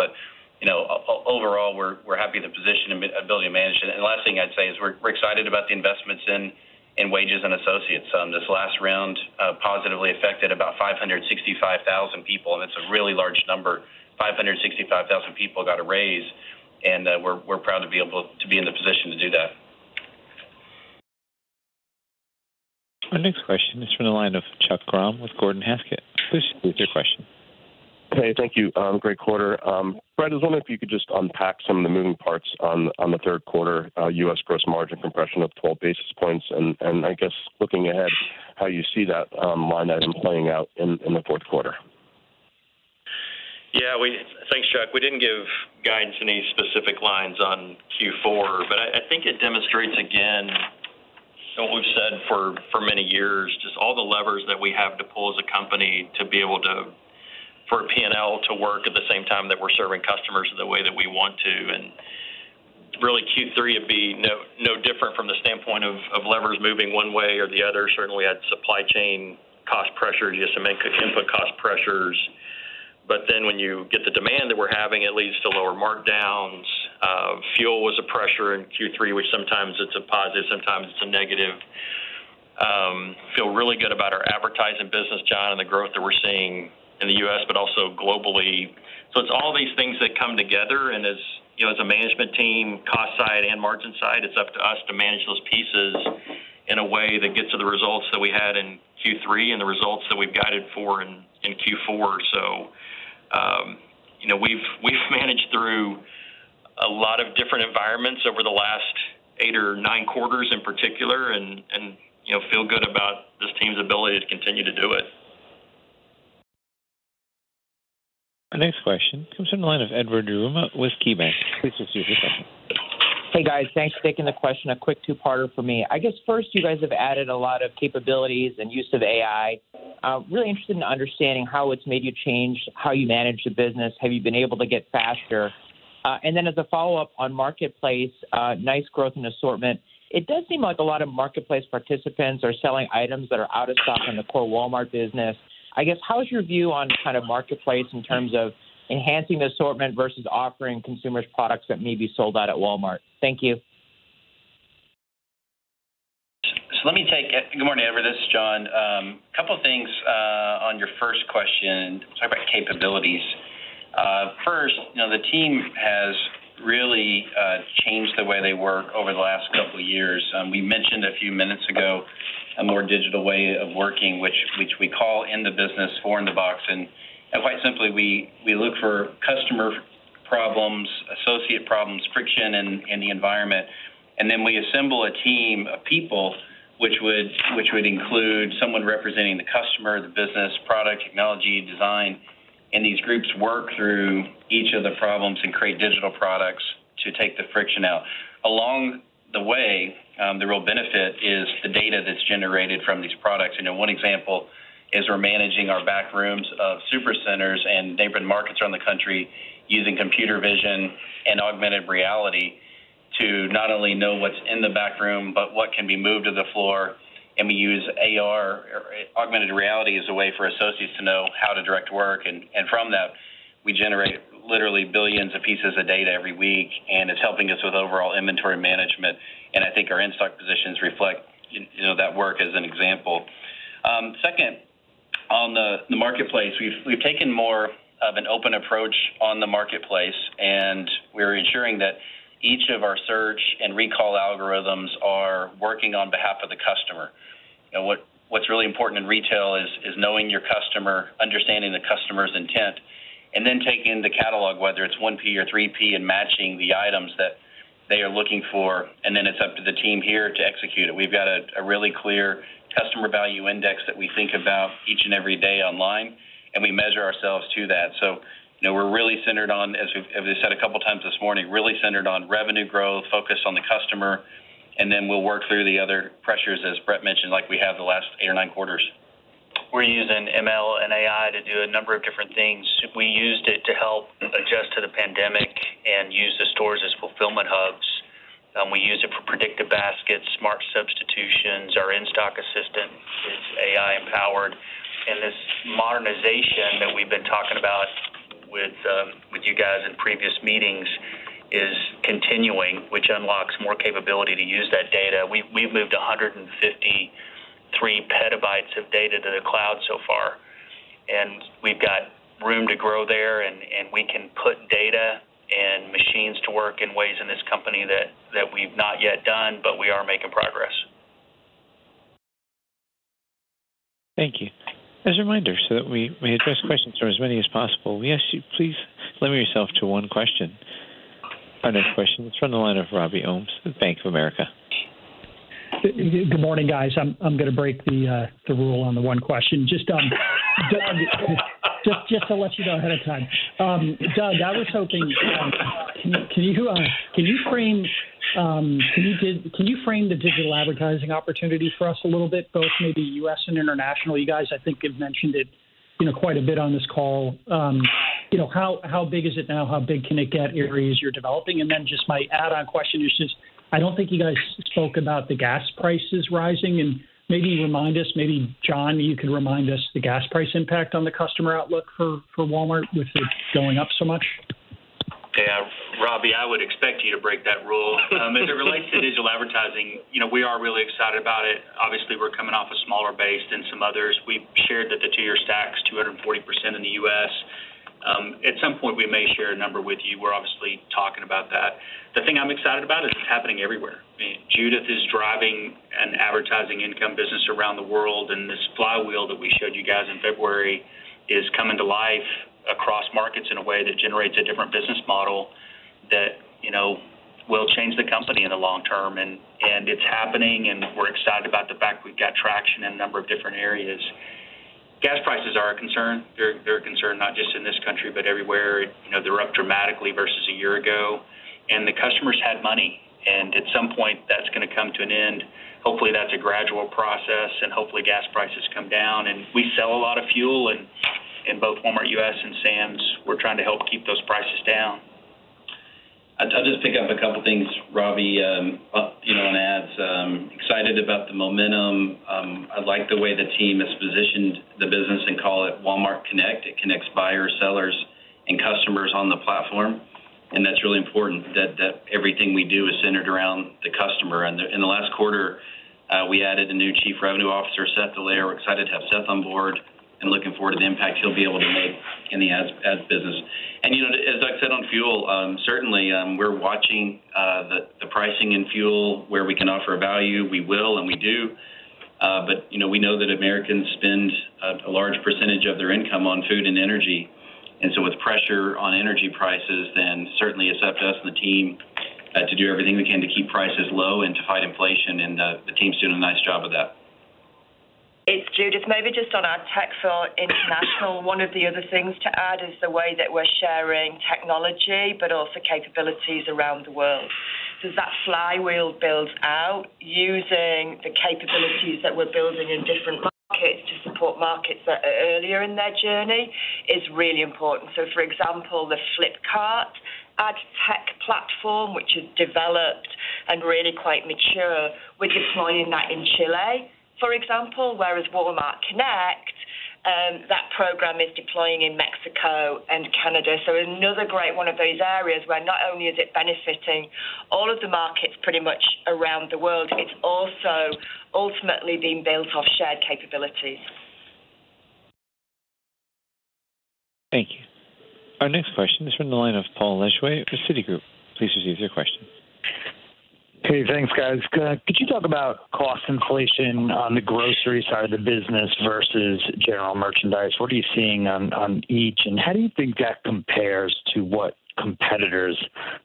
You know, overall, we're happy with the position and ability to manage it. Last thing I'd say is we're excited about the investments in wages and associates. This last round positively affected about 565,000 people, and it's a really large number. 565,000 people got a raise, and we're proud to be in the position to do that. Our next question is from the line of Chuck Grom with Gordon Haskett. Please proceed with your question. Hey, thank you. Great quarter. Brett, I was wondering if you could just unpack some of the moving parts on the third quarter, U.S. gross margin compression of 12 basis points and I guess looking ahead, how you see that line item playing out in the fourth quarter. Thanks, Chuck. We didn't give guidance on any specific lines on Q4, but I think it demonstrates again what we've said for many years, just all the levers that we have to pull as a company for P&L to work at the same time that we're serving customers the way that we want to. Really Q3 would be no different from the standpoint of levers moving one way or the other. Certainly, had supply chain cost pressures, GSM input cost pressures. But then when you get the demand that we're having, it leads to lower markdowns. Fuel was a pressure in Q3, which sometimes it's a positive, sometimes it's a negative. Feel really good about our advertising business, John, and the growth that we're seeing in the U.S., but also globally. It's all these things that come together. As you know, as a management team, cost side and margin side, it's up to us to manage those pieces in a way that gets to the results that we had in Q3 and the results that we've guided for in Q4. You know, we've managed through a lot of different environments over the last eight or nine quarters in particular and you know, feel good about this team's ability to continue to do it. Our next question comes from the line of Edward Yruma with KeyBanc. Please proceed with your question. Hey, guys. Thanks for taking the question. A quick two-parter for me. I guess first, you guys have added a lot of capabilities and use of AI. Really interested in understanding how it's made you change how you manage the business. Have you been able to get faster? And then as a follow-up on marketplace, nice growth and assortment. It does seem like a lot of marketplace participants are selling items that are out of stock in the core Walmart business. I guess how is your view on kind of marketplace in terms of enhancing the assortment versus offering consumers products that may be sold out at Walmart? Thank you. Hey, good morning, everyone. This is John Furner. Couple things on your first question, talking about capabilities. First, you know, the team has really changed the way they work over the last couple years. We mentioned a few minutes ago a more digital way of working, which we call in the business four-in-a-box. Quite simply, we look for customer problems, associate problems, friction in the environment. Then we assemble a team of people, which would include someone representing the customer, the business, product, technology, design. These groups work through each of the problems and create digital products to take the friction out. Along the way, the real benefit is the data that's generated from these products. You know, one example is we're managing our back rooms of Supercenters and Neighborhood Markets around the country using computer vision and augmented reality to not only know what's in the back room, but what can be moved to the floor. We use AR, or augmented reality as a way for associates to know how to direct work. From that, we generate literally billions of pieces of data every week, and it's helping us with overall inventory management. I think our in-stock positions reflect, you know, that work as an example. Second, on the marketplace. We've taken more of an open approach on the marketplace, and we're ensuring that each of our search and recall algorithms are working on behalf of the customer. You know, what's really important in retail is knowing your customer, understanding the customer's intent, and then taking the catalog, whether it's 1P or 3P, and matching the items that they are looking for. Then it's up to the team here to execute it. We've got a really clear customer value index that we think about each and every day online, and we measure ourselves to that. You know, we're really centered on, as we've said a couple times this morning, really centered on revenue growth, focused on the customer, and then we'll work through the other pressures, as Brett mentioned, like we have the last 8 or 9 quarters. We're using ML and AI to do a number of different things. We used it to help adjust to the pandemic and use the stores as fulfillment hubs. We use it for predictive baskets, smart substitutions. Our in-stock assistant is AI empowered. This modernization that we've been talking about with you guys in previous meetings is continuing, which unlocks more capability to use that data. We've moved 153 petabytes of data to the cloud so far, and we've got room to grow there, and we can put data and machines to work in ways in this company that we've not yet done, but we are making progress. Thank you. As a reminder, so that we may address questions from as many as possible, we ask you please limit yourself to one question. Our next question is from the line of Robert Ohmes of Bank of America. Good morning, guys. I'm gonna break the rule on the one question. Just to let you know ahead of time. Doug, I was hoping, can you frame the digital advertising opportunity for us a little bit, both maybe U.S. and international? You guys, I think, have mentioned it, you know, quite a bit on this call. You know, how big is it now? How big can it get? Areas you're developing. Then my add-on question is just, I don't think you guys spoke about the gas prices rising. Maybe remind us, maybe John, you could remind us the gas price impact on the customer outlook for Walmart with it going up so much. Yeah. Robbie, I would expect you to break that rule. As it relates to digital advertising, you know, we are really excited about it. Obviously, we're coming off a smaller base than some others. We've shared that the two-year stack's 240% in the U.S. At some point, we may share a number with you. We're obviously talking about that. The thing I'm excited about is it's happening everywhere. I mean, Judith is driving an advertising income business around the world, and this flywheel that we showed you guys in February is coming to life across markets in a way that generates a different business model that, you know, will change the company in the long term. And it's happening, and we're excited about the fact we've got traction in a number of different areas. Gas prices are a concern. They're a concern not just in this country, but everywhere. You know, they're up dramatically versus a year ago. The customers had money, and at some point that's gonna come to an end. Hopefully, that's a gradual process, and hopefully gas prices come down. We sell a lot of fuel in both Walmart U.S. and Sam's. We're trying to help keep those prices down. I'll just pick up a couple things, Robbie, you know, on ads. I'm excited about the momentum. I like the way the team has positioned the business and call it Walmart Connect. It connects buyers, sellers, and customers on the platform, and that's really important that everything we do is centered around the customer. In the last quarter, we added a new chief revenue officer, Seth Dallaire. We're excited to have Seth on board and looking forward to the impact he'll be able to make in the ads business. As I've said on fuel, certainly, we're watching the pricing in fuel. Where we can offer value, we will and we do. We know that Americans spend a large percentage of their income on food and energy. With pressure on energy prices, certainly it's up to us and the team to do everything we can to keep prices low and to fight inflation. The team's doing a nice job of that. It's Judith. Maybe just on our tech for International. One of the other things to add is the way that we're sharing technology, but also capabilities around the world. As that flywheel builds out, using the capabilities that we're building in different markets to support markets that are earlier in their journey is really important. For example, the Flipkart ad tech platform, which is developed and really quite mature, we're deploying that in Chile, for example, whereas Walmart Connect program is deploying in Mexico and Canada. Another great one of those areas where not only is it benefiting all of the markets pretty much around the world, it's also ultimately being built off shared capabilities. Thank you. Our next question is from the line of Paul Lejuez with Citigroup. Please proceed with your question. Hey, thanks, guys. Could you talk about cost inflation on the grocery side of the business versus general merchandise? What are you seeing on each, and how do you think that compares to what competitors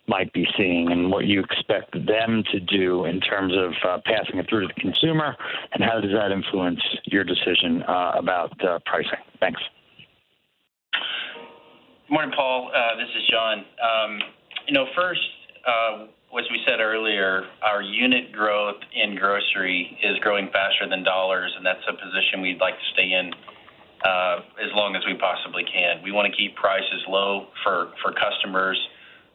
might be seeing and what you expect them to do in terms of passing it through to the consumer? How does that influence your decision about pricing? Thanks. Good morning, Paul. This is John. You know, first, as we said earlier, our unit growth in grocery is growing faster than dollars, and that's a position we'd like to stay in, as long as we possibly can. We wanna keep prices low for customers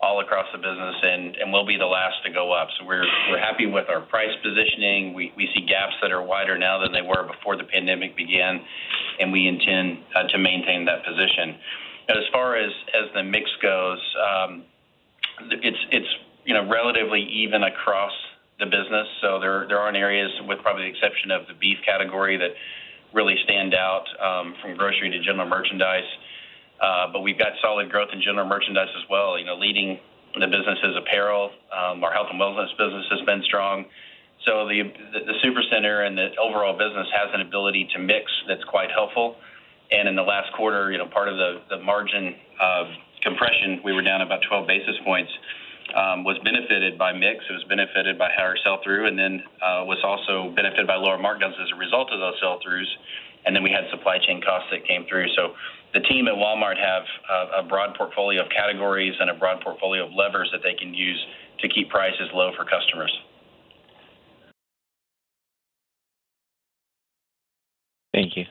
all across the business, and we'll be the last to go up. We're happy with our price positioning. We see gaps that are wider now than they were before the pandemic began, and we intend to maintain that position. As far as the mix goes, it's, you know, relatively even across the business. There aren't areas with probably the exception of the beef category that really stand out, from grocery to general merchandise. We've got solid growth in general merchandise as well, you know, leading the business' apparel. Our health and wellness business has been strong. The supercenter and the overall business has an ability to mix that's quite helpful. In the last quarter, you know, part of the margin compression, we were down about 12 basis points, was benefited by mix. It was benefited by higher sell-through, and then was also benefited by lower markdowns as a result of those sell-throughs. We had supply chain costs that came through. The team at Walmart have a broad portfolio of categories and a broad portfolio of levers that they can use to keep prices low for customers. Thank you.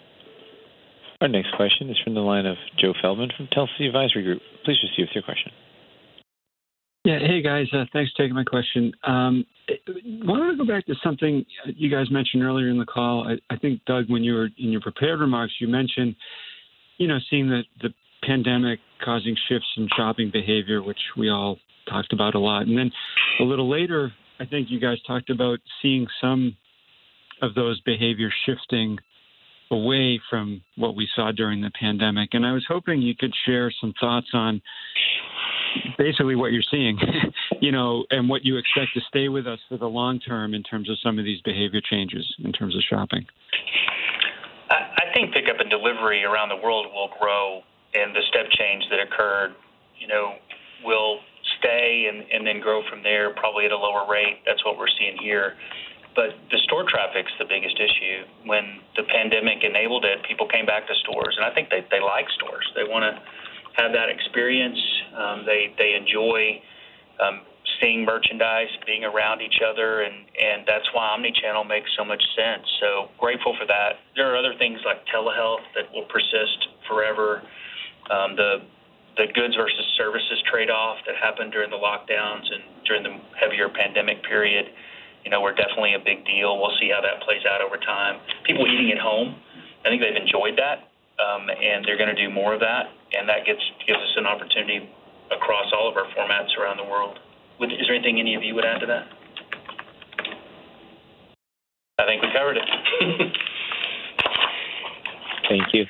Our next question is from the line of Joseph Feldman from Telsey Advisory Group. Please proceed with your question. Yeah. Hey, guys. Thanks for taking my question. I wanna go back to something you guys mentioned earlier in the call. I think, Doug, when you were in your prepared remarks, you mentioned, you know, seeing the pandemic causing shifts in shopping behavior, which we all talked about a lot. Then a little later, I think you guys talked about seeing some of those behaviors shifting away from what we saw during the pandemic, and I was hoping you could share some thoughts on basically what you're seeing, you know, and what you expect to stay with us for the long term in terms of some of these behavior changes in terms of shopping. I think pickup and delivery around the world will grow, and the step change that occurred, you know, will stay and then grow from there probably at a lower rate. That's what we're seeing here. The store traffic's the biggest issue. When the pandemic enabled it, people came back to stores, and I think they like stores. They wanna have that experience. They enjoy seeing merchandise, being around each other and that's why omnichannel makes so much sense. Grateful for that. There are other things like telehealth that will persist forever. The goods versus services trade-off that happened during the lockdowns and during the heavier pandemic period, you know, were definitely a big deal. We'll see how that plays out over time. People eating at home, I think they've enjoyed that, and they're gonna do more of that, and that gives us an opportunity across all of our formats around the world. Is there anything any of you would add to that? I think we covered it. Thank you.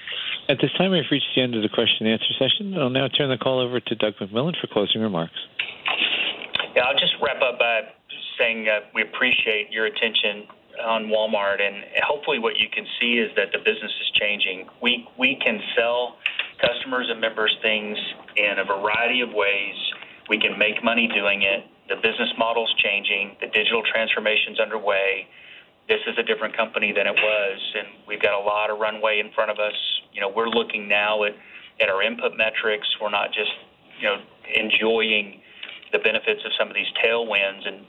At this time, we've reached the end of the question and answer session. I'll now turn the call over to Doug McMillon for closing remarks. Yeah, I'll just wrap up by saying that we appreciate your attention on Walmart, and hopefully what you can see is that the business is changing. We can sell customers and members things in a variety of ways. We can make money doing it. The business model's changing. The digital transformation's underway. This is a different company than it was, and we've got a lot of runway in front of us. You know, we're looking now at our input metrics. We're not just, you know, enjoying the benefits of some of these tailwinds and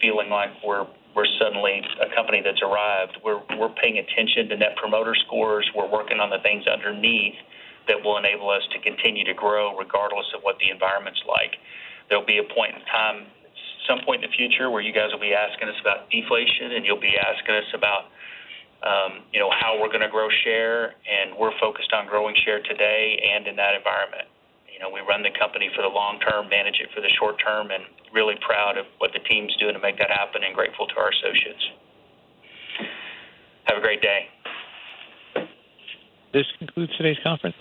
feeling like we're suddenly a company that's arrived. We're paying attention to net promoter scores. We're working on the things underneath that will enable us to continue to grow regardless of what the environment's like. There'll be a point in time, some point in the future, where you guys will be asking us about deflation, and you'll be asking us about, you know, how we're gonna grow share, and we're focused on growing share today and in that environment. You know, we run the company for the long term, manage it for the short term, and really proud of what the team's doing to make that happen and grateful to our associates. Have a great day. This concludes today's conference.